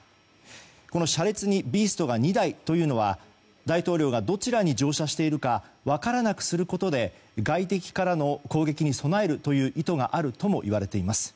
この車列に「ビースト」が２台というのは大統領がどちらに乗車しているか分からなくすることで外敵からの攻撃に備える意図があるともいわれています。